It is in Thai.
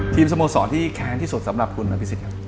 ทีมสโมสรที่แขนที่สุดสำหรับคุณนะพี่สิทธิ์ครับ